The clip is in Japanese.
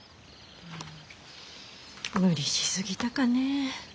無理し過ぎたかねえ。